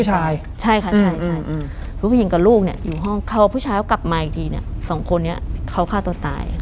ผู้ชายใช่ค่ะใช่อืมอืมอืมทุกผู้หญิงกับลูกเนี้ยอยู่ห้องเขาผู้ชายเขากลับมาอีกทีเนี้ยสองคนนี้เขาฆ่าตัวตาย